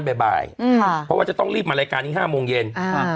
บ่ายอืมค่ะเพราะว่าจะต้องรีบมารายการนี้ห้าโมงเย็นอ่าค่ะ